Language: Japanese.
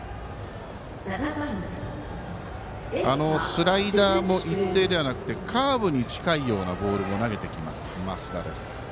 スライダーも一定ではなくてカーブに近いようなボールも投げてきます、増田です。